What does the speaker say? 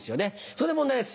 そこで問題です